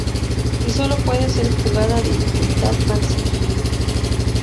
Y sólo puede ser jugada a dificultad máxima.